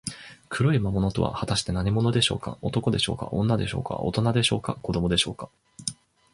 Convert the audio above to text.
黒い魔物とは、はたして何者でしょうか。男でしょうか、女でしょうか、おとなでしょうか、子どもでしょうか。